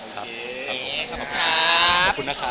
ขอบคุณนะคะ